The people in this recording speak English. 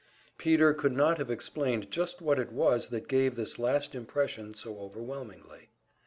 Peter could not have explained just what it was that gave this last impression so overwhelmingly.